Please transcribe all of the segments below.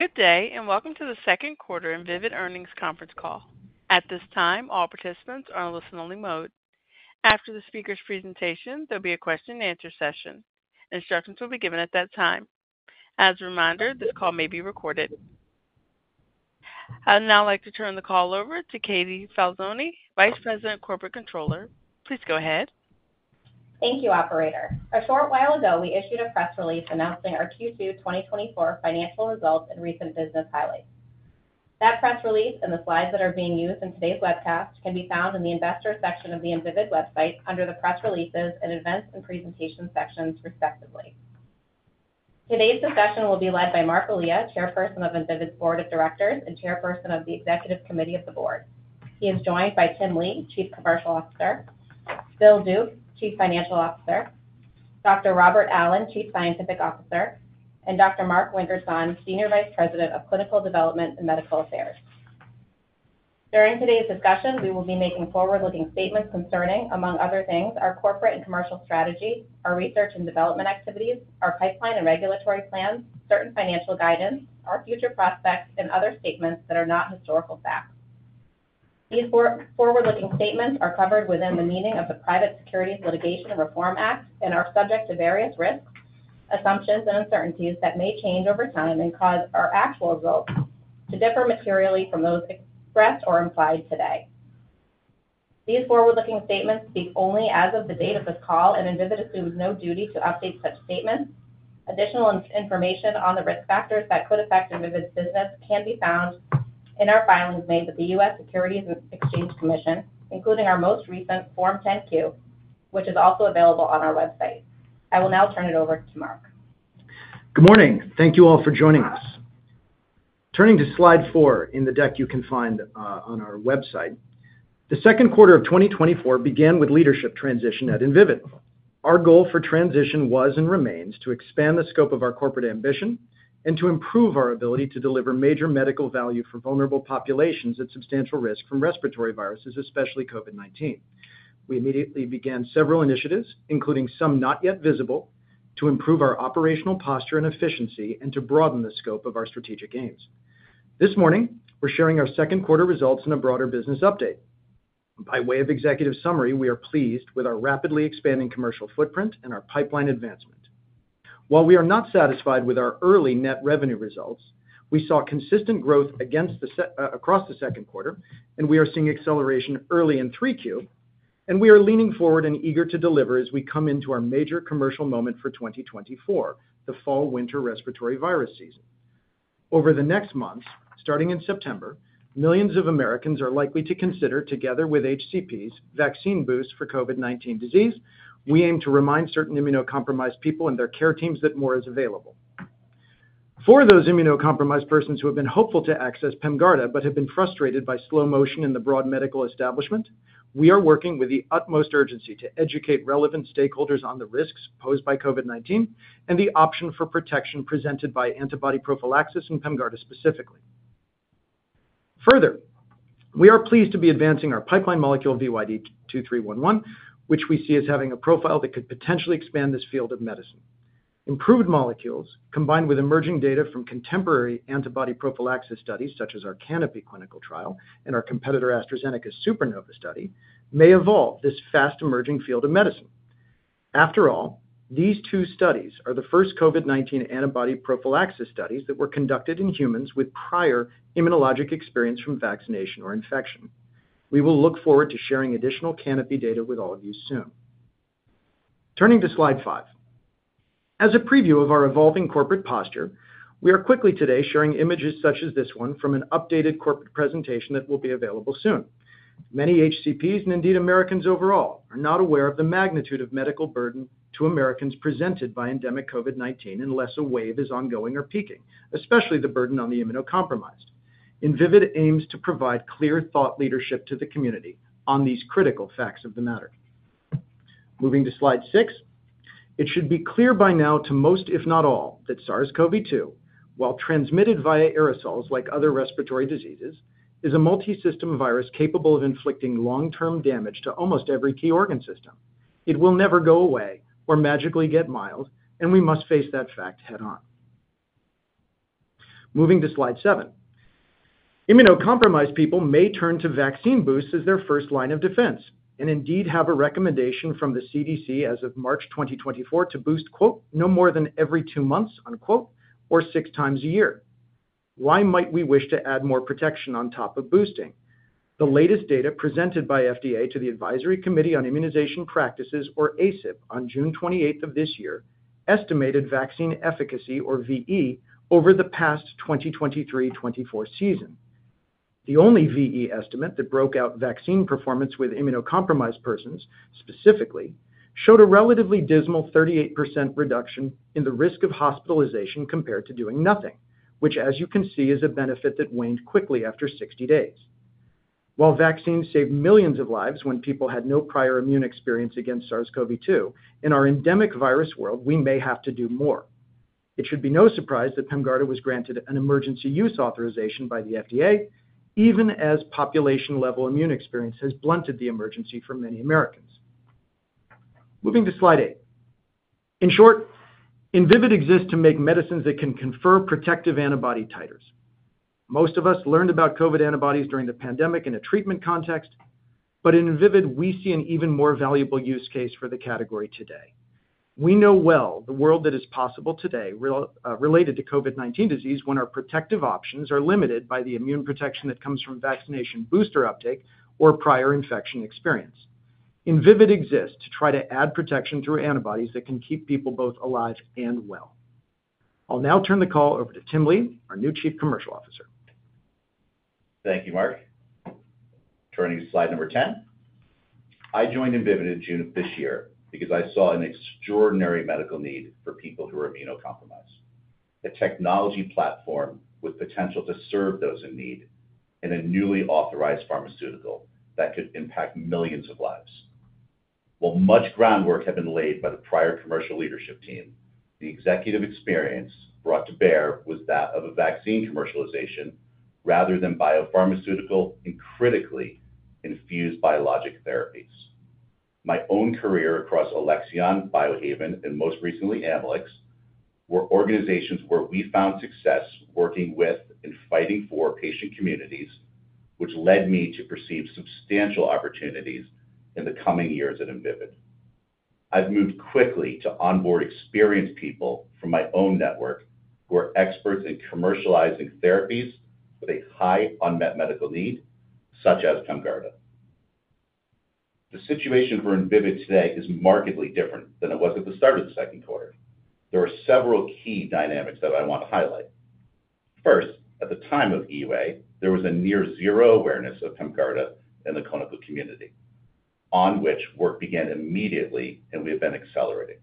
Good day, and welcome to the second quarter Invivyd earnings conference call. At this time, all participants are on listen-only mode. After the speaker's presentation, there'll be a question-and-answer session. Instructions will be given at that time. As a reminder, this call may be recorded. I'd now like to turn the call over to Katie Falzone, Vice President, Corporate Controller. Please go ahead. Thank you, operator. A short while ago, we issued a press release announcing our Q2 2024 financial results and recent business highlights. That press release and the slides that are being used in today's webcast can be found in the Investors section of the Invivyd website under the Press Releases and Events and Presentation sections, respectively. Today's discussion will be led by Marc Elia, Chairperson of Invivyd Board of Directors and Chairperson of the Executive Committee of the Board. He is joined by Tim Lee, Chief Commercial Officer, Bill Duke, Chief Financial Officer, Dr. Robert Allen, Chief Scientific Officer, and Dr. Mark Wingertzahn, Senior Vice President of Clinical Development and Medical Affairs. During today's discussion, we will be making forward-looking statements concerning, among other things, our corporate and commercial strategy, our research and development activities, our pipeline and regulatory plans, certain financial guidance, our future prospects, and other statements that are not historical facts. These forward-looking statements are covered within the meaning of the Private Securities Litigation Reform Act and are subject to various risks, assumptions, and uncertainties that may change over time and cause our actual results to differ materially from those expressed or implied today. These forward-looking statements speak only as of the date of this call, and Invivyd assumes no duty to update such statements. Additional information on the risk factors that could affect Invivyd business can be found in our filings made with the U.S. Securities and Exchange Commission, including our most recent Form 10-Q, which is also available on our website. I will now turn it over to Marc. Good morning. Thank you all for joining us. Turning to slide 4 in the deck you can find on our website. The second quarter of 2024 began with leadership transition at Invivyd. Our goal for transition was and remains to expand the scope of our corporate ambition and to improve our ability to deliver major medical value for vulnerable populations at substantial risk from respiratory viruses, especially COVID-19. We immediately began several initiatives, including some not yet visible, to improve our operational posture and efficiency and to broaden the scope of our strategic aims. This morning, we're sharing our second quarter results in a broader business update. By way of executive summary, we are pleased with our rapidly expanding commercial footprint and our pipeline advancement. While we are not satisfied with our early net revenue results, we saw consistent growth across the second quarter, and we are seeing acceleration early in 3Q, and we are leaning forward and eager to deliver as we come into our major commercial moment for 2024, the fall-winter respiratory virus season. Over the next months, starting in September, millions of Americans are likely to consider, together with HCPs, vaccine boosts for COVID-19 disease. We aim to remind certain immunocompromised people and their care teams that more is available. For those immunocompromised persons who have been hopeful to access PEMGARDA but have been frustrated by slow motion in the broad medical establishment, we are working with the utmost urgency to educate relevant stakeholders on the risks posed by COVID-19 and the option for protection presented by antibody prophylaxis and PEMGARDA specifically. Further, we are pleased to be advancing our pipeline molecule, VYD-2311, which we see as having a profile that could potentially expand this field of medicine. Improved molecules, combined with emerging data from contemporary antibody prophylaxis studies, such as our CANOPY clinical trial and our competitor, AstraZeneca's SUPERNOVA study, may evolve this fast-emerging field of medicine. After all, these two studies are the first COVID-19 antibody prophylaxis studies that were conducted in humans with prior immunologic experience from vaccination or infection. We will look forward to sharing additional CANOPY data with all of you soon. Turning to slide 5. As a preview of our evolving corporate posture, we are quickly today sharing images such as this one from an updated corporate presentation that will be available soon. Many HCPs, and indeed Americans overall, are not aware of the magnitude of medical burden to Americans presented by endemic COVID-19 unless a wave is ongoing or peaking, especially the burden on the immunocompromised. Invivyd aims to provide clear thought leadership to the community on these critical facts of the matter. Moving to slide 6. It should be clear by now to most, if not all, that SARS-CoV-2, while transmitted via aerosols like other respiratory diseases, is a multisystem virus capable of inflicting long-term damage to almost every key organ system. It will never go away or magically get mild, and we must face that fact head-on. Moving to slide 7. Immunocompromised people may turn to vaccine boosts as their first line of defense and indeed have a recommendation from the CDC as of March 2024 to boost, quote, "no more than every two months," unquote, or 6 times a year. Why might we wish to add more protection on top of boosting? The latest data presented by FDA to the Advisory Committee on Immunization Practices, or ACIP, on June 28 of this year, estimated vaccine efficacy, or VE, over the past 2023-2024 season. The only VE estimate that broke out vaccine performance with immunocompromised persons, specifically, showed a relatively dismal 38% reduction in the risk of hospitalization compared to doing nothing, which, as you can see, is a benefit that waned quickly after 60 days. While vaccines saved millions of lives when people had no prior immune experience against SARS-CoV-2, in our endemic virus world, we may have to do more. It should be no surprise that PEMGARDA was granted an emergency use authorization by the FDA, even as population-level immune experience has blunted the emergency for many Americans.... Moving to slide 8. In short, Invivyd exists to make medicines that can confirm protective antibody titers. Most of us learned about COVID antibodies during the pandemic in a treatment context, but in Invivyd, we see an even more valuable use case for the category today. We know well the world that is possible today, related to COVID-19 disease, when our protective options are limited by the immune protection that comes from vaccination booster uptake or prior infection experience. Invivyd exists to try to add protection through antibodies that can keep people both alive and well. I'll now turn the call over to Tim Lee, our new Chief Commercial Officer. Thank you, Marc. Turning to slide 10. I joined Invivyd in June of this year because I saw an extraordinary medical need for people who are immunocompromised, a technology platform with potential to serve those in need, and a newly authorized pharmaceutical that could impact millions of lives. While much groundwork had been laid by the prior commercial leadership team, the executive experience brought to bear was that of a vaccine commercialization rather than biopharmaceutical and critically infused biologic therapies. My own career across Alexion, Biohaven, and most recently, Amylyx, were organizations where we found success working with and fighting for patient communities, which led me to perceive substantial opportunities in the coming years at Invivyd. I've moved quickly to onboard experienced people from my own network who are experts in commercializing therapies with a high unmet medical need, such as PEMGARDA. The situation for Invivyd today is markedly different than it was at the start of the second quarter. There are several key dynamics that I want to highlight. First, at the time of EUA, there was a near zero awareness of PEMGARDA in the clinical community, on which work began immediately and we have been accelerating.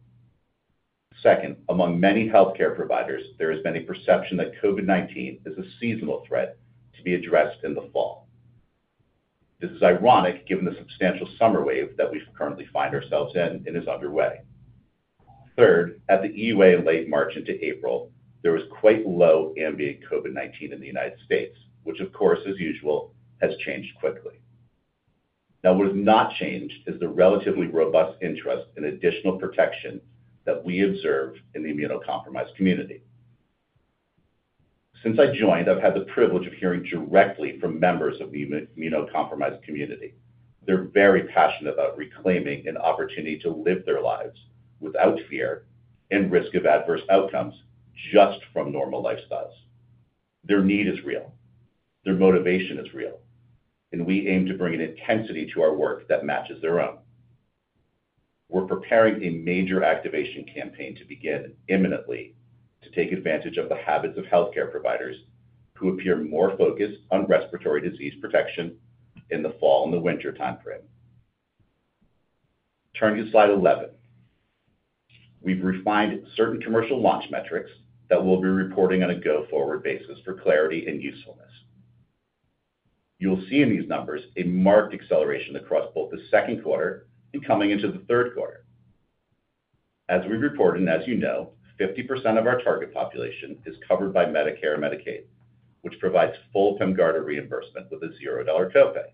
Second, among many healthcare providers, there has been a perception that COVID-19 is a seasonal threat to be addressed in the fall. This is ironic, given the substantial summer wave that we currently find ourselves in and is underway. Third, at the EUA in late March into April, there was quite low ambient COVID-19 in the United States, which, of course, as usual, has changed quickly. Now, what has not changed is the relatively robust interest and additional protection that we observe in the immunocompromised community. Since I joined, I've had the privilege of hearing directly from members of the immunocompromised community. They're very passionate about reclaiming an opportunity to live their lives without fear and risk of adverse outcomes just from normal lifestyles. Their need is real, their motivation is real, and we aim to bring an intensity to our work that matches their own. We're preparing a major activation campaign to begin imminently to take advantage of the habits of healthcare providers who appear more focused on respiratory disease protection in the fall and the winter timeframe. Turning to slide 11. We've refined certain commercial launch metrics that we'll be reporting on a go-forward basis for clarity and usefulness. You'll see in these numbers a marked acceleration across both the second quarter and coming into the third quarter. As we've reported, and as you know, 50% of our target population is covered by Medicare and Medicaid, which provides full PEMGARDA reimbursement with a $0 copay.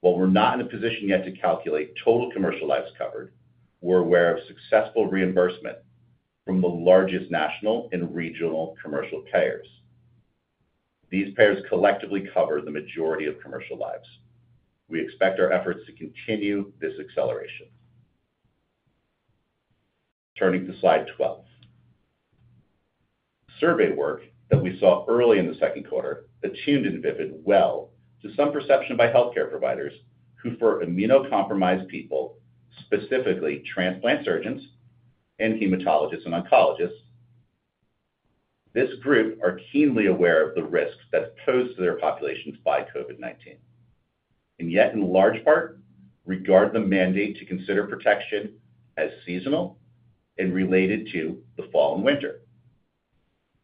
While we're not in a position yet to calculate total commercial lives covered, we're aware of successful reimbursement from the largest national and regional commercial payers. These payers collectively cover the majority of commercial lives. We expect our efforts to continue this acceleration. Turning to slide 12. Survey work that we saw early in the second quarter attuned Invivyd well to some perception by healthcare providers who, for immunocompromised people, specifically transplant surgeons and hematologists and oncologists, this group are keenly aware of the risks that's posed to their populations by COVID-19, and yet, in large part, regard the mandate to consider protection as seasonal and related to the fall and winter.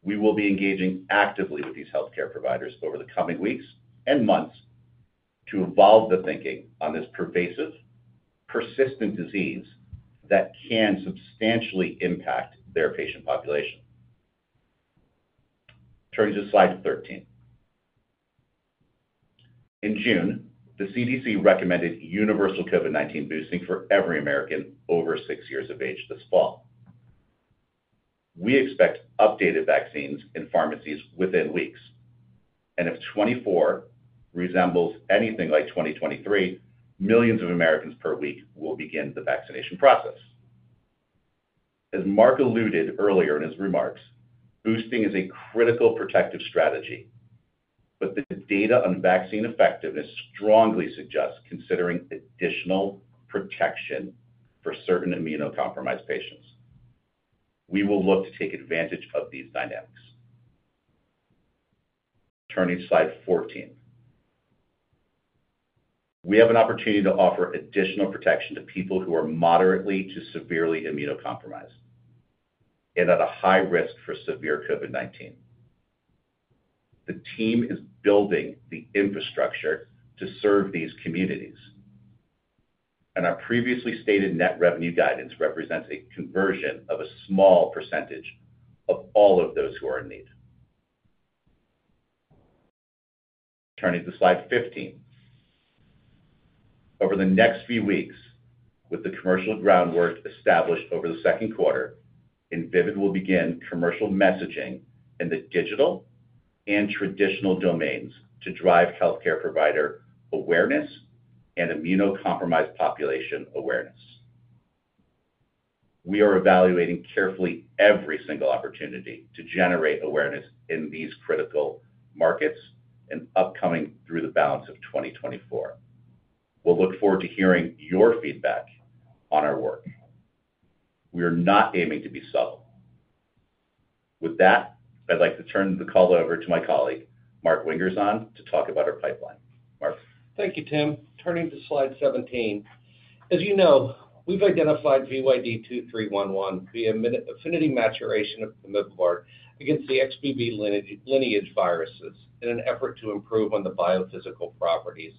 We will be engaging actively with these healthcare providers over the coming weeks and months to evolve the thinking on this pervasive, persistent disease that can substantially impact their patient population. Turning to slide 13. In June, the CDC recommended universal COVID-19 boosting for every American over six years of age this fall. We expect updated vaccines in pharmacies within weeks, and if 2024 resembles anything like 2023, millions of Americans per week will begin the vaccination process. As Marc alluded earlier in his remarks, boosting is a critical protective strategy, but the data on vaccine effectiveness strongly suggests considering additional protection for certain immunocompromised patients. We will look to take advantage of these dynamics. Turning to slide 14. We have an opportunity to offer additional protection to people who are moderately to severely immunocompromised and at a high risk for severe COVID-19. The team is building the infrastructure to serve these communities, and our previously stated net revenue guidance represents a conversion of a small percentage of all of those who are in need. Turning to slide 15. Over the next few weeks, with the commercial groundwork established over the second quarter, Invivyd will begin commercial messaging in the digital and traditional domains to drive healthcare provider awareness and immunocompromised population awareness. We are evaluating carefully every single opportunity to generate awareness in these critical markets and upcoming through the balance of 2024. We'll look forward to hearing your feedback on our work. We are not aiming to be subtle. With that, I'd like to turn the call over to my colleague, Marc Wingertzahn, to talk about our pipeline. Marc? Thank you, Tim. Turning to slide 17. As you know, we've identified VYD-2311 via affinity maturation of pemivibart against the XBB lineage viruses in an effort to improve on the biophysical properties,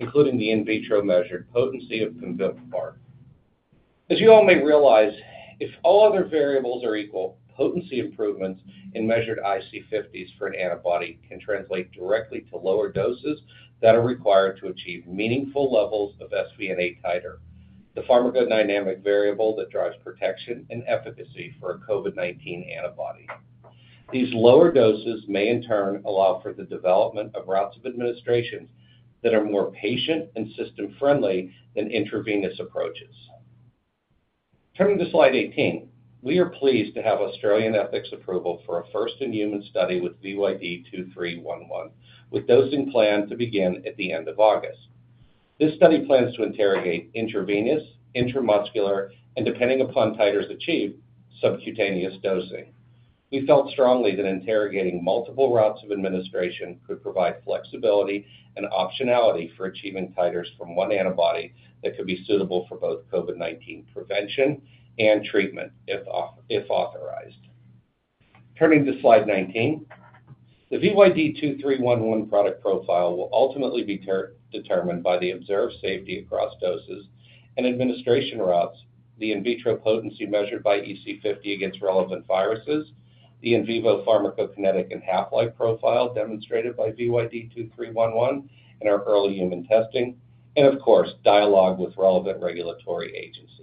including the in vitro measured potency of pemivibart. As you all may realize, if all other variables are equal, potency improvements in measured IC50s for an antibody can translate directly to lower doses that are required to achieve meaningful levels of sVNA titer, the pharmacodynamic variable that drives protection and efficacy for a COVID-19 antibody. These lower doses may, in turn, allow for the development of routes of administration that are more patient and system-friendly than intravenous approaches. Turning to slide 18, we are pleased to have Australian ethics approval for a first-in-human study with VYD-2311, with dosing planned to begin at the end of August. This study plans to interrogate intravenous, intramuscular, and depending upon titers achieved, subcutaneous dosing. We felt strongly that interrogating multiple routes of administration could provide flexibility and optionality for achieving titers from one antibody that could be suitable for both COVID-19 prevention and treatment, if authorized. Turning to slide 19, the VYD-2311 product profile will ultimately be determined by the observed safety across doses and administration routes, the in vitro potency measured by EC50 against relevant viruses, the in vivo pharmacokinetic and half-life profile demonstrated by VYD-2311 in our early human testing, and of course, dialogue with relevant regulatory agencies.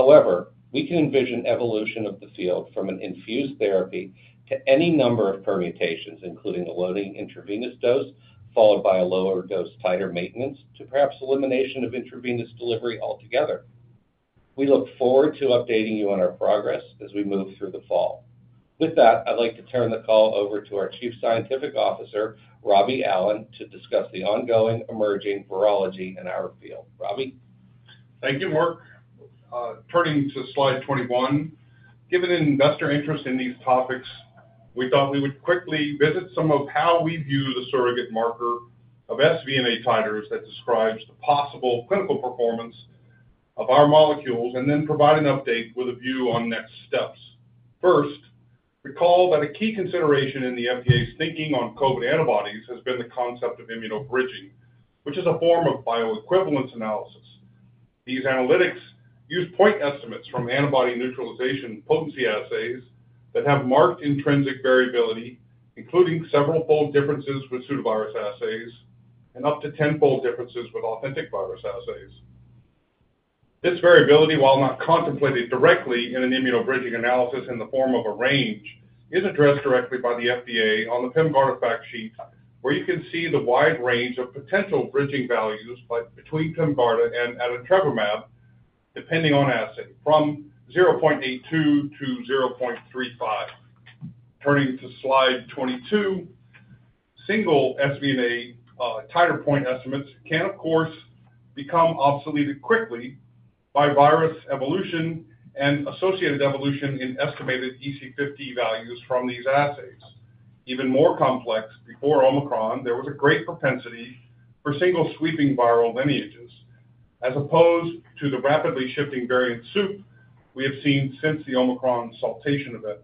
However, we can envision evolution of the field from an infused therapy to any number of permutations, including a loading intravenous dose, followed by a lower dose titer maintenance, to perhaps elimination of intravenous delivery altogether. We look forward to updating you on our progress as we move through the fall. With that, I'd like to turn the call over to our Chief Scientific Officer, Robbie Allen, to discuss the ongoing emerging virology in our field. Robbie? Thank you, Marc. Turning to slide 21. Given investor interest in these topics, we thought we would quickly visit some of how we view the surrogate marker of sVNA titers that describes the possible clinical performance of our molecules, and then provide an update with a view on next steps. First, recall that a key consideration in the FDA's thinking on COVID antibodies has been the concept of immunobridging, which is a form of bioequivalence analysis. These analytics use point estimates from antibody neutralization potency assays that have marked intrinsic variability, including several-fold differences with pseudovirus assays and up to 10-fold differences with authentic virus assays. This variability, while not contemplated directly in an immunobridging analysis in the form of a range, is addressed directly by the FDA on the Pemgarda fact sheet, where you can see the wide range of potential bridging values between Pemgarda and adintrevimab, depending on assay, from 0.82 to 0.35. Turning to slide 22, single SVNA titer point estimates can, of course, become obsoleted quickly by virus evolution and associated evolution in estimated EC50 values from these assays. Even more complex, before Omicron, there was a great propensity for single sweeping viral lineages, as opposed to the rapidly shifting variant soup we have seen since the Omicron saltation event.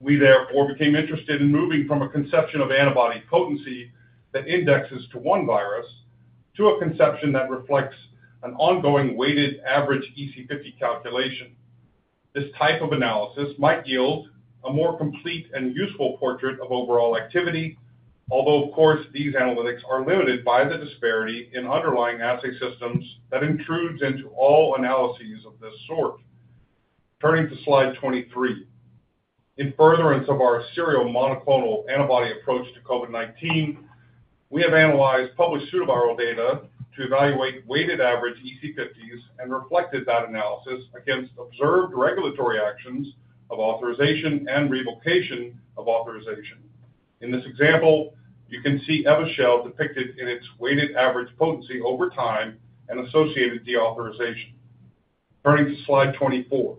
We therefore became interested in moving from a conception of antibody potency that indexes to one virus, to a conception that reflects an ongoing weighted average EC50 calculation. This type of analysis might yield a more complete and useful portrait of overall activity, although, of course, these analytics are limited by the disparity in underlying assay systems that intrudes into all analyses of this sort. Turning to slide 23. In furtherance of our serial monoclonal antibody approach to COVID-19, we have analyzed published pseudoviral data to evaluate weighted average EC50s and reflected that analysis against observed regulatory actions of authorization and revocation of authorization. In this example, you can see Evusheld depicted in its weighted average potency over time and associated deauthorization. Turning to slide 24.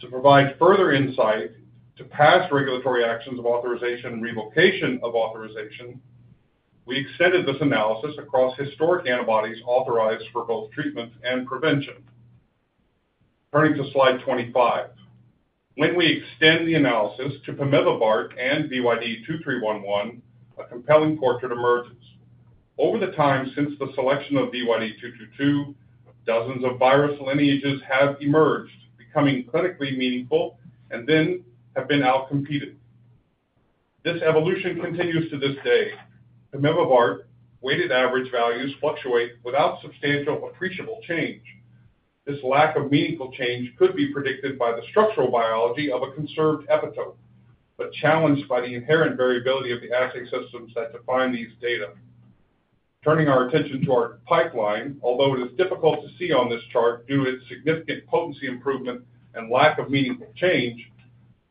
To provide further insight to past regulatory actions of authorization and revocation of authorization, we extended this analysis across historic antibodies authorized for both treatments and prevention. Turning to slide 25. When we extend the analysis to pemivibart and VYD-2311, a compelling portrait emerges.... Over the time since the selection of VYD-222, dozens of virus lineages have emerged, becoming clinically meaningful and then have been outcompeted. This evolution continues to this day. The pemivibart weighted average values fluctuate without substantial appreciable change. This lack of meaningful change could be predicted by the structural biology of a conserved epitope, but challenged by the inherent variability of the assay systems that define these data. Turning our attention to our pipeline, although it is difficult to see on this chart due to its significant potency improvement and lack of meaningful change,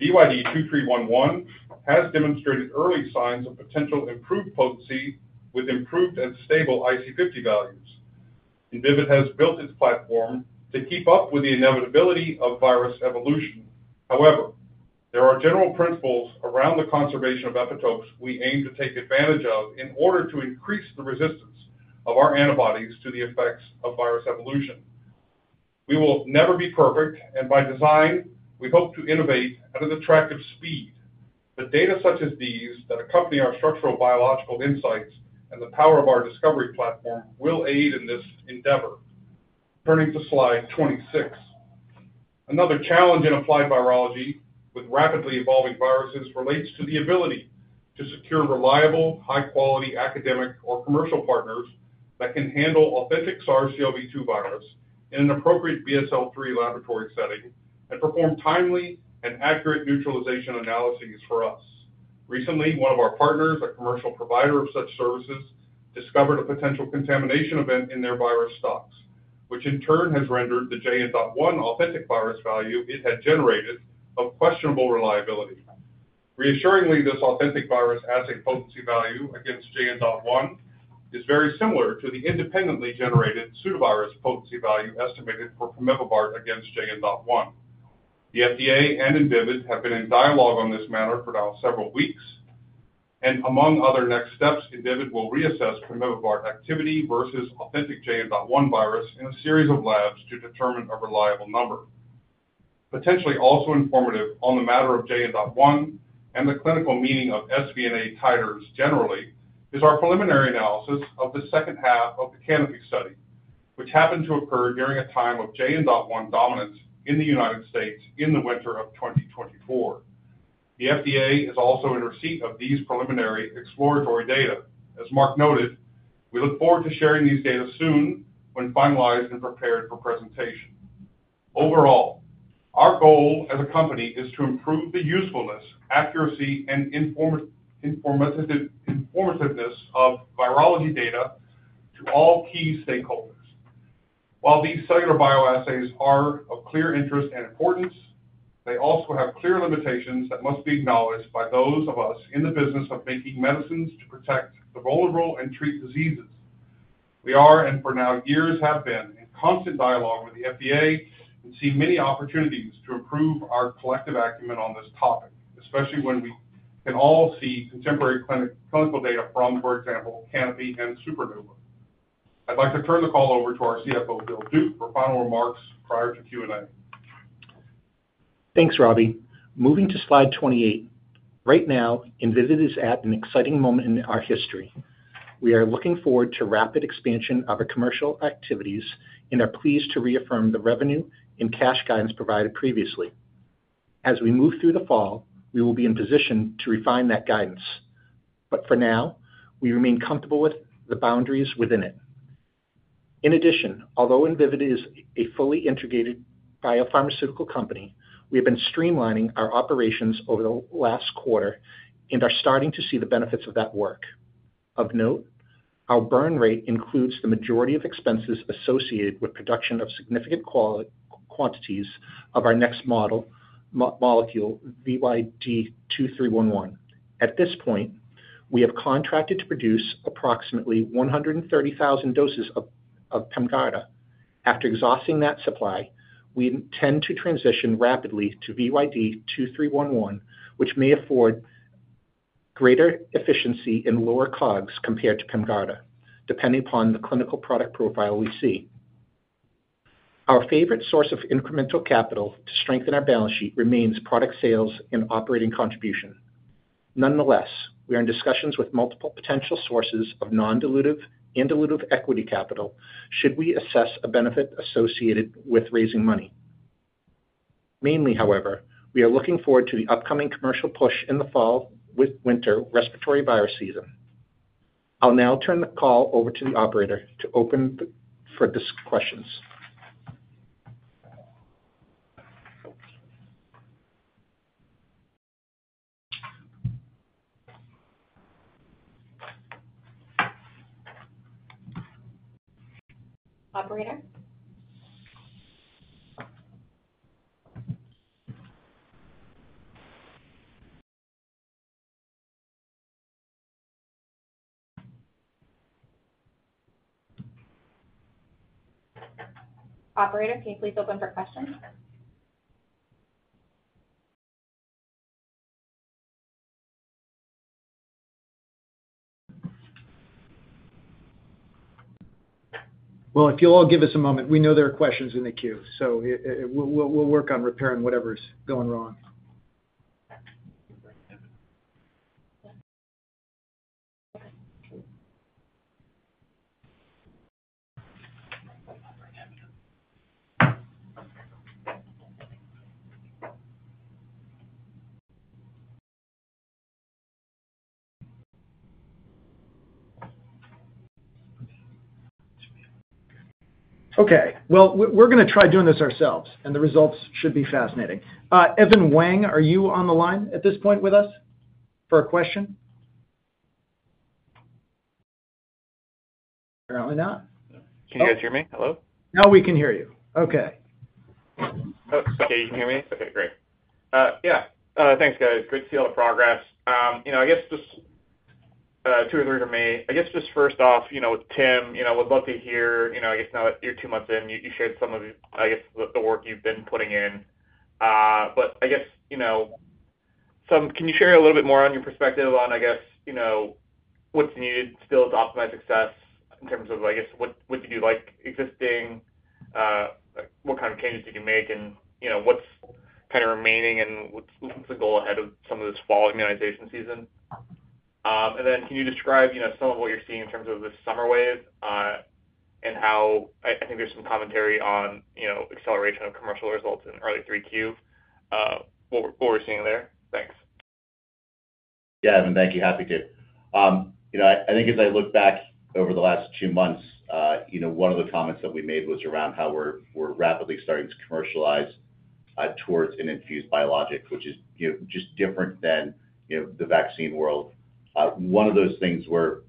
VYD-2311 has demonstrated early signs of potential improved potency with improved and stable IC50 values. Invivyd has built its platform to keep up with the inevitability of virus evolution. However, there are general principles around the conservation of epitopes we aim to take advantage of in order to increase the resistance of our antibodies to the effects of virus evolution. We will never be perfect, and by design, we hope to innovate at an attractive speed. But data such as these that accompany our structural biological insights and the power of our discovery platform will aid in this endeavor. Turning to slide 26. Another challenge in applied virology with rapidly evolving viruses relates to the ability to secure reliable, high-quality academic or commercial partners that can handle authentic SARS-CoV-2 virus in an appropriate BSL-3 laboratory setting and perform timely and accurate neutralization analyses for us. Recently, one of our partners, a commercial provider of such services, discovered a potential contamination event in their virus stocks, which in turn has rendered the JN.1 authentic virus value it had generated of questionable reliability. Reassuringly, this authentic virus assay potency value against JN.1 is very similar to the independently generated pseudovirus potency value estimated for pemivibart against JN.1. The FDA and Invivyd have been in dialogue on this matter for now several weeks, and among other next steps, Invivyd will reassess pemivibart activity versus authentic JN.1 virus in a series of labs to determine a reliable number. Potentially also informative on the matter of JN.1 and the clinical meaning of sVNA titers generally, is our preliminary analysis of the second half of the CANOPY study, which happened to occur during a time of JN.1 dominance in the United States in the winter of 2024. The FDA is also in receipt of these preliminary exploratory data. As Marc noted, we look forward to sharing these data soon when finalized and prepared for presentation. Overall, our goal as a company is to improve the usefulness, accuracy, and informativeness of virology data to all key stakeholders. While these cellular bioassays are of clear interest and importance, they also have clear limitations that must be acknowledged by those of us in the business of making medicines to protect the vulnerable and treat diseases. We are, and for years have been, in constant dialogue with the FDA and see many opportunities to improve our collective acumen on this topic, especially when we can all see contemporary clinical data from, for example, CANOPY and SUPERNOVA. I'd like to turn the call over to our CFO, Bill Duke, for final remarks prior to Q&A. Thanks, Robbie. Moving to slide 28. Right now, Invivyd is at an exciting moment in our history. We are looking forward to rapid expansion of our commercial activities and are pleased to reaffirm the revenue and cash guidance provided previously. As we move through the fall, we will be in position to refine that guidance, but for now, we remain comfortable with the boundaries within it. In addition, although Invivyd is a fully integrated biopharmaceutical company, we have been streamlining our operations over the last quarter and are starting to see the benefits of that work. Of note, our burn rate includes the majority of expenses associated with production of significant quantities of our next molecule, VYD-2311. At this point, we have contracted to produce approximately 130,000 doses of PEMGARDA. After exhausting that supply, we intend to transition rapidly to VYD-2311, which may afford greater efficiency and lower COGS compared to PEMGARDA, depending upon the clinical product profile we see. Our favorite source of incremental capital to strengthen our balance sheet remains product sales and operating contribution. Nonetheless, we are in discussions with multiple potential sources of non-dilutive and dilutive equity capital should we assess a benefit associated with raising money. Mainly, however, we are looking forward to the upcoming commercial push in the fall with winter respiratory virus season. I'll now turn the call over to the operator to open the floor for the questions. Operator? Operator, can you please open for questions? Well, if you'll all give us a moment, we know there are questions in the queue, so we'll work on repairing whatever's going wrong. ... Okay, well, we're, we're gonna try doing this ourselves, and the results should be fascinating. Evan Wang, are you on the line at this point with us for a question? Apparently not. Can you guys hear me? Hello? Now we can hear you. Okay. Oh, okay, you can hear me? Okay, great. Yeah, thanks, guys. Great deal of progress. You know, I guess just two or three from me. I guess just first off, you know, Tim, you know, would love to hear, you know, I guess now that you're two months in, you shared some of, I guess, the work you've been putting in. But I guess, you know, can you share a little bit more on your perspective on, I guess, you know, what's needed still to optimize success in terms of, I guess, what did you like existing, what kind of changes did you make? And, you know, what's kind of remaining and what's the goal ahead of some of this fall immunization season? And then can you describe, you know, some of what you're seeing in terms of the summer wave, and how... I think there's some commentary on, you know, acceleration of commercial results in early 3Q, what we're seeing there? Thanks. Yeah, Evan, thank you. Happy to. You know, I think as I look back over the last two months, you know, one of the comments that we made was around how we're rapidly starting to commercialize towards an infused biologic, which is, you know, just different than the vaccine world. One of those things we're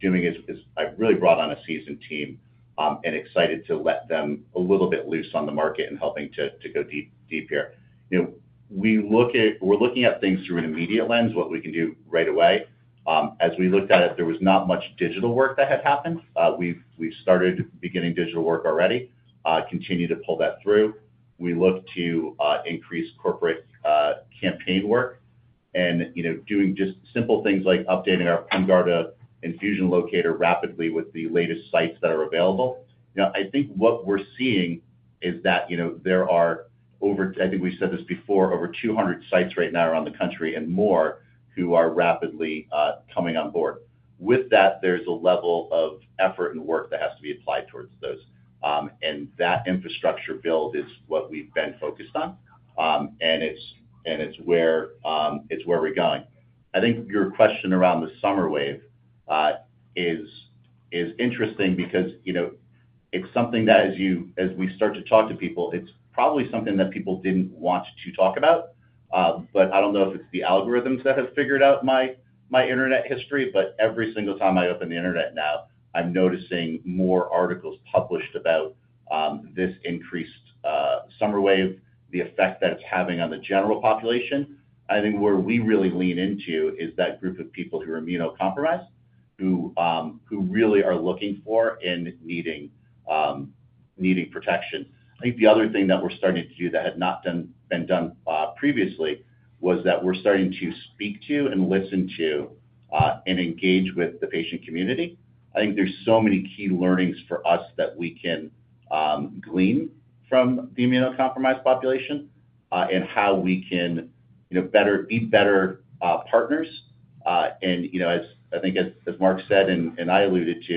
doing is I really brought on a seasoned team, and excited to let them a little bit loose on the market and helping to go deep here. You know, we're looking at things through an immediate lens, what we can do right away. As we looked at it, there was not much digital work that had happened. We've started beginning digital work already, continue to pull that through. We look to increase corporate campaign work and, you know, doing just simple things like updating our PEMGARDA infusion locator rapidly with the latest sites that are available. Now, I think what we're seeing is that, you know, there are over, I think we've said this before, over 200 sites right now around the country and more who are rapidly coming on board. With that, there's a level of effort and work that has to be applied towards those. And that infrastructure build is what we've been focused on, and it's where we're going. I think your question around the summer wave is interesting because, you know, it's something that as we start to talk to people, it's probably something that people didn't want to talk about. But I don't know if it's the algorithms that have figured out my internet history, but every single time I open the internet now, I'm noticing more articles published about this increased summer wave, the effect that it's having on the general population. I think where we really lean into is that group of people who are immunocompromised, who really are looking for and needing protection. I think the other thing that we're starting to do that had not been done previously was that we're starting to speak to and listen to and engage with the patient community. I think there's so many key learnings for us that we can glean from the immunocompromised population and how we can, you know, better be better partners. And, you know, as I think Marc said, and I alluded to,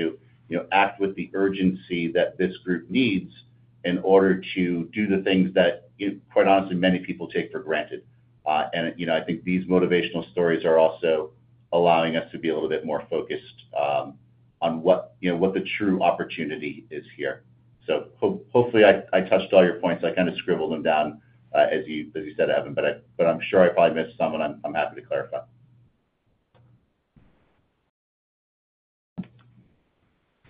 you know, act with the urgency that this group needs in order to do the things that, quite honestly, many people take for granted. And, you know, I think these motivational stories are also allowing us to be a little bit more focused on what, you know, the true opportunity is here. So hopefully, I touched on all your points. I kind of scribbled them down as you said, Evan, but I'm sure I probably missed some, and I'm happy to clarify.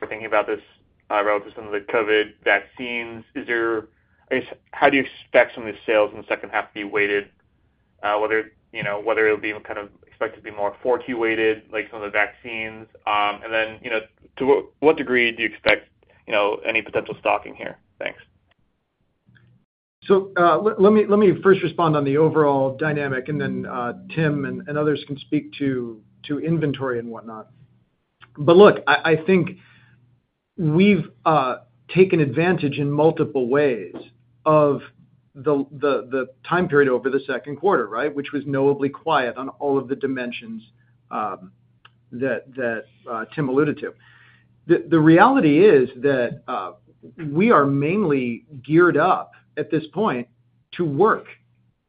For thinking about this, relative to some of the COVID vaccines, is there... I guess, how do you expect some of the sales in the second half to be weighted? Whether, you know, whether it'll be kind of expected to be more 4Q weighted, like some of the vaccines. And then, you know, to what, what degree do you expect, you know, any potential stocking here? Thanks. So, let me first respond on the overall dynamic, and then, Tim and others can speak to inventory and whatnot. But look, I think we've taken advantage in multiple ways of the time period over the second quarter, right? Which was notably quiet on all of the dimensions that Tim alluded to. The reality is that we are mainly geared up at this point to work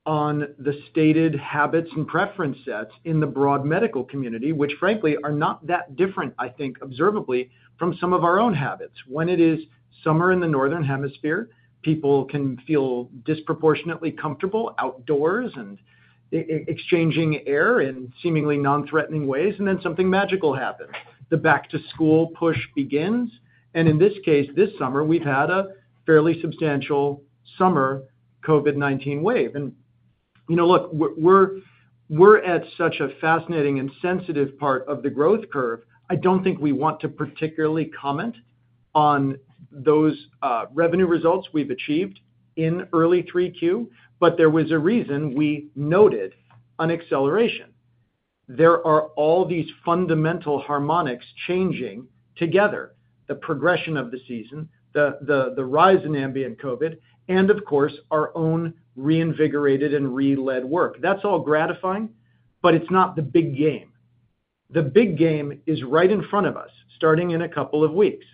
on the stated habits and preference sets in the broad medical community, which frankly, are not that different, I think, observably, from some of our own habits. When it is summer in the Northern Hemisphere, people can feel disproportionately comfortable outdoors and exchanging air in seemingly non-threatening ways, and then something magical happens. The back-to-school push begins, and in this case, this summer, we've had a fairly substantial summer COVID-19 wave. You know, look, we're at such a fascinating and sensitive part of the growth curve. I don't think we want to particularly comment on those revenue results we've achieved in early 3Q, but there was a reason we noted an acceleration. There are all these fundamental harmonics changing together, the progression of the season, the rise in ambient COVID, and of course, our own reinvigorated and re-led work. That's all gratifying, but it's not the big game. The big game is right in front of us, starting in a couple of weeks.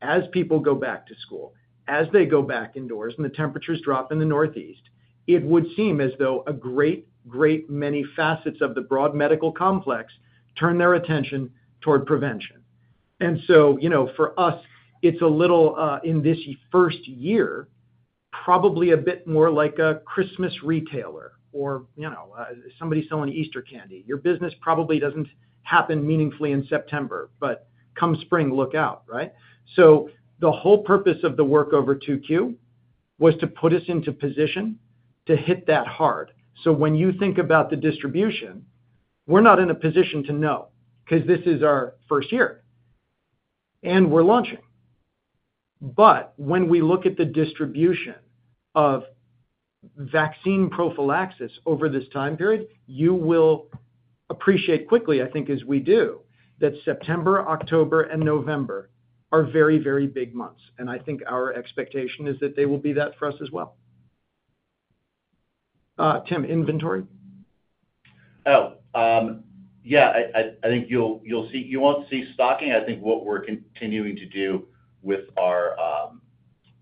As people go back to school, as they go back indoors, and the temperatures drop in the northeast, it would seem as though a great, great many facets of the broad medical complex turn their attention toward prevention. So, you know, for us, it's a little in this first year, probably a bit more like a Christmas retailer or, you know, somebody selling Easter candy. Your business probably doesn't happen meaningfully in September, but come spring, look out, right? So the whole purpose of the work over 2Q was to put us into position to hit that hard. So when you think about the distribution, we're not in a position to know, 'cause this is our first year, and we're launching. But when we look at the distribution of vaccine prophylaxis over this time period, you will appreciate quickly, I think, as we do, that September, October, and November are very, very big months, and I think our expectation is that they will be that for us as well. Tim, inventory? Oh, yeah, I think you'll see you won't see stocking. I think what we're continuing to do with our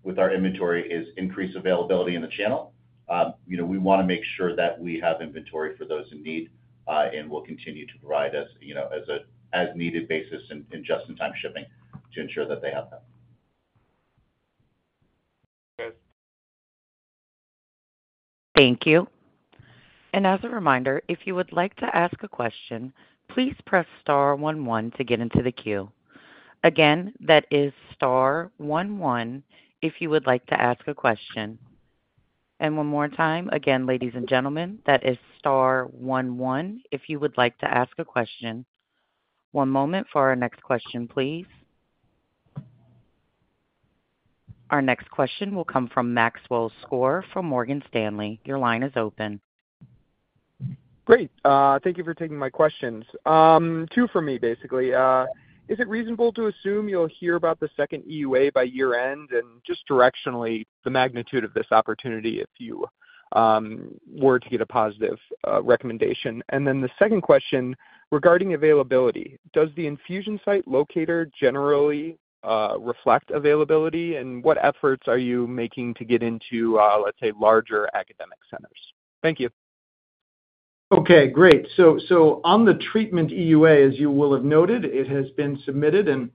inventory is increase availability in the channel. You know, we want to make sure that we have inventory for those in need, and we'll continue to provide, as you know, as an as-needed basis and just-in-time shipping to ensure that they have that. Yes. Thank you. And as a reminder, if you would like to ask a question, please press * one one to get into the queue. Again, that is * one one if you would like to ask a question. And one more time, again, ladies and gentlemen, that is * one one if you would like to ask a question. One moment for our next question, please. Our next question will come from Maxwell Skor from Morgan Stanley. Your line is open. Great. Thank you for taking my questions. Two for me, basically. Is it reasonable to assume you'll hear about the second EUA by year-end, and just directionally, the magnitude of this opportunity if you were to get a positive recommendation? And then the second question, regarding availability, does the infusion site locator generally reflect availability? And what efforts are you making to get into, let's say, larger academic centers? Thank you. Okay, great. So on the treatment EUA, as you will have noted, it has been submitted, and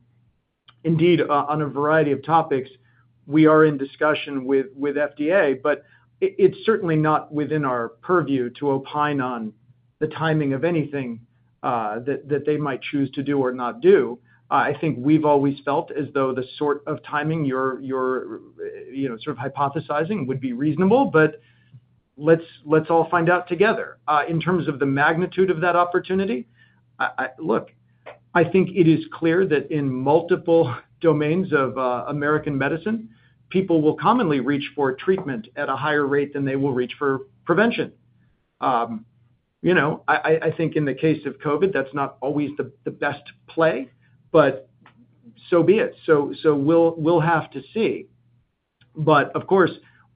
indeed, on a variety of topics, we are in discussion with FDA, but it's certainly not within our purview to opine on the timing of anything that they might choose to do or not do. I think we've always felt as though the sort of timing you're you know sort of hypothesizing would be reasonable, but let's all find out together. In terms of the magnitude of that opportunity, I... Look, I think it is clear that in multiple domains of American medicine, people will commonly reach for treatment at a higher rate than they will reach for prevention. You know, I think in the case of COVID, that's not always the best play, but so be it. So we'll have to see. But of course,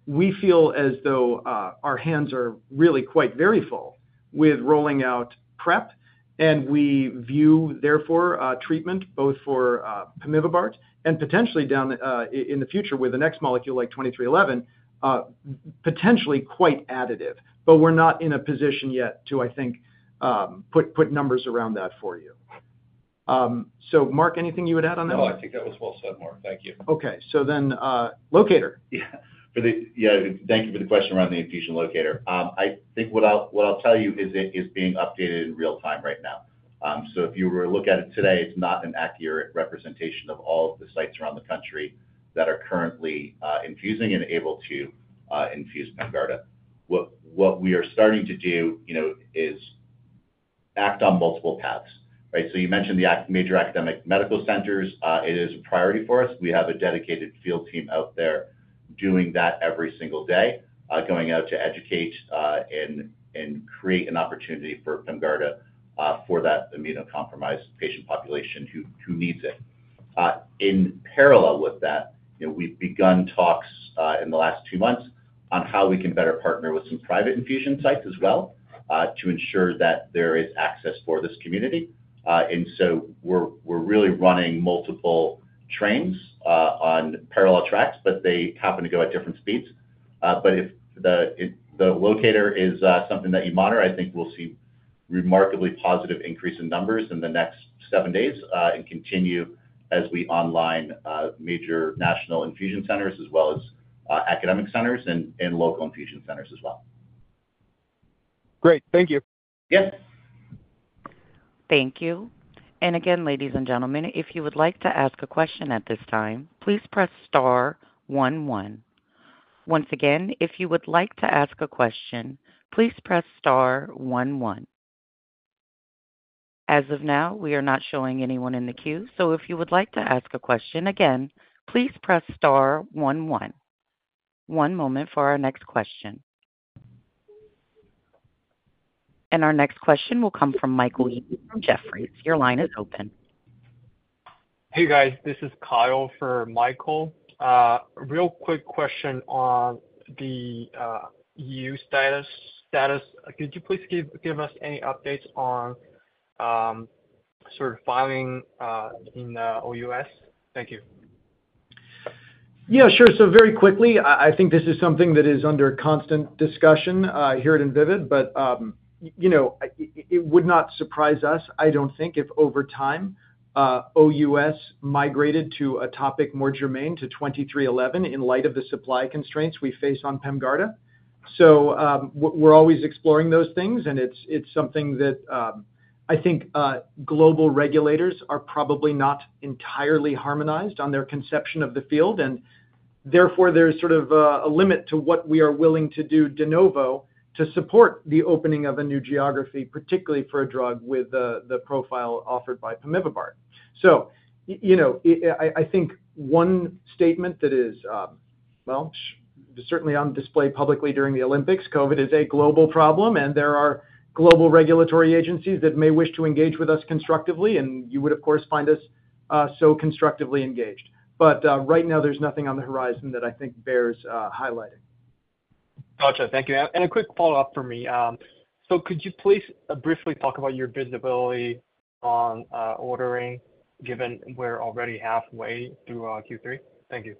we feel as though our hands are really quite very full with rolling out prep, and we view, therefore, treatment both for pemivibart and potentially down the line in the future with the next molecule, like VYD-2311, potentially quite additive. But we're not in a position yet to, I think, put numbers around that for you. So Marc, anything you would add on that? No, I think that was well said, Marc. Thank you. Okay, so then, locator. Yeah. Yeah, thank you for the question around the infusion locator. I think what I'll tell you is it is being updated in real time right now. So if you were to look at it today, it's not an accurate representation of all of the sites around the country that are currently infusing and able to infuse pemivibart. What we are starting to do, you know, is act on multiple paths, right? So you mentioned the major academic medical centers. It is a priority for us. We have a dedicated field team out there doing that every single day, going out to educate and create an opportunity for pemivibart, for that immunocompromised patient population who needs it. In parallel with that, you know, we've begun talks in the last two months on how we can better partner with some private infusion sites as well, to ensure that there is access for this community. And so we're really running multiple trains on parallel tracks, but they happen to go at different speeds. But if the locator is something that you monitor, I think we'll see remarkably positive increase in numbers in the next seven days, and continue as we online major national infusion centers as well as academic centers and local infusion centers as well. Great. Thank you. Yes. Thank you. Again, ladies and gentlemen, if you would like to ask a question at this time, please press * one one. Once again, if you would like to ask a question, please press * one one. As of now, we are not showing anyone in the queue, so if you would like to ask a question, again, please press * one one… One moment for our next question. Our next question will come from Michael Yee from Jefferies. Your line is open. Hey, guys, this is Kyle for Michael. Real quick question on the EU status. Could you please give us any updates on sort of filing in OUS? Thank you. Yeah, sure. So very quickly, I think this is something that is under constant discussion here at Invivyd, but you know, it would not surprise us, I don't think, if over time, OUS migrated to a topic more germane to VYD-2311 in light of the supply constraints we face on PEMGARDA. So, we're always exploring those things, and it's something that, I think, global regulators are probably not entirely harmonized on their conception of the field, and therefore, there's sort of a limit to what we are willing to do de novo to support the opening of a new geography, particularly for a drug with the profile offered by pemivibart. So, you know, I think one statement that is, well, certainly on display publicly during the Olympics, COVID is a global problem, and there are global regulatory agencies that may wish to engage with us constructively, and you would, of course, find us so constructively engaged. But right now, there's nothing on the horizon that I think bears highlighting. Gotcha. Thank you. A quick follow-up for me. Could you please briefly talk about your visibility on ordering, given we're already halfway through Q3? Thank you.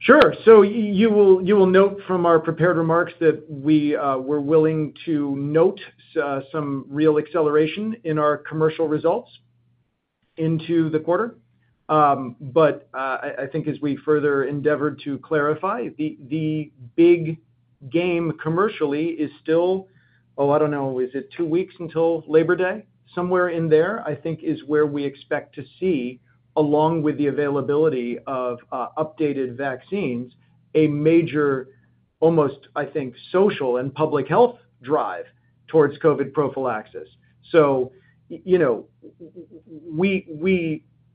Sure. So you will note from our prepared remarks that we, we're willing to note some real acceleration in our commercial results into the quarter. But I think as we further endeavored to clarify, the big game commercially is still, oh, I don't know, is it two weeks until Labor Day? Somewhere in there, I think is where we expect to see, along with the availability of updated vaccines, a major, almost, I think, social and public health drive towards COVID prophylaxis. So you know, we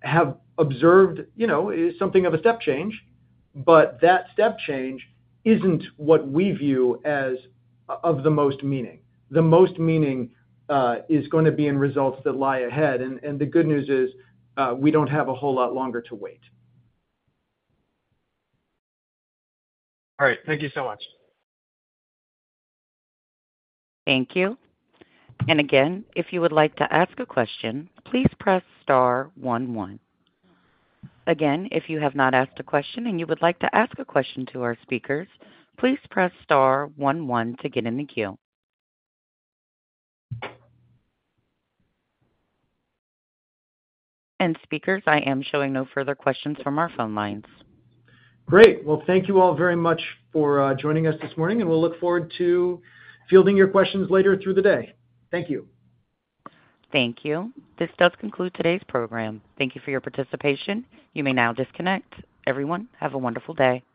have observed, you know, something of a step change, but that step change isn't what we view as of the most meaning. The most meaning is gonna be in results that lie ahead, and, and the good news is, we don't have a whole lot longer to wait. All right. Thank you so much. Thank you. And again, if you would like to ask a question, please press * one, one. Again, if you have not asked a question and you would like to ask a question to our speakers, please press * one, one to get in the queue. And speakers, I am showing no further questions from our phone lines. Great! Well, thank you all very much for joining us this morning, and we'll look forward to fielding your questions later through the day. Thank you. Thank you. This does conclude today's program. Thank you for your participation. You may now disconnect. Everyone, have a wonderful day.